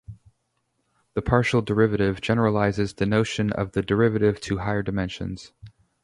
The partial derivative generalizes the notion of the derivative to higher dimensions.